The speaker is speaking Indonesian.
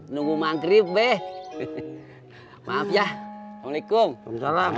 nunggu mangkrib beh maaf ya alaikum salam